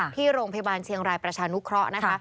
ที่โรงพยาบาลเชียงรายประชานุเคราะห์นะคะ